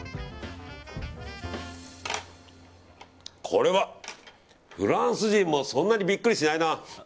これはフランス人もそんなにビックリしないな。